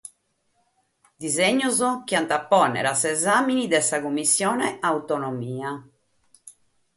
Disinnos chi ant a èssere sutapostos a s'esame de sa Cummissione Autonomia.